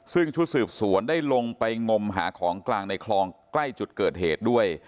ซึ่งชุดสืบสวนได้ลงไปงมหาของกลางในคลองใกล้จุดเกิดเหตุด้วย